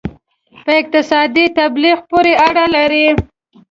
په اقتصادي تبلیغ پورې اړه لري.